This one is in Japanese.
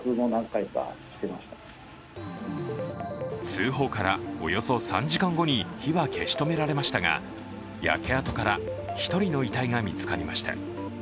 通報からおよそ３時間後に火は消し止められましたが焼け跡から１人の遺体が見つかりました。